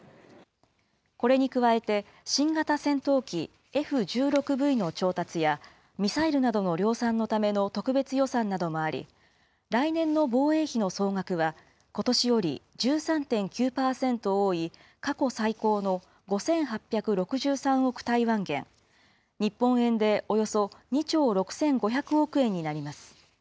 これに加えて、新型戦闘機Ｆ１６Ｖの調達や、ミサイルなどの量産のための特別予算などもあり、来年の防衛費の総額は、ことしより１３．９％多い、過去最高の５８６３億台湾元、日本円でおよそ２兆６５００億円になります。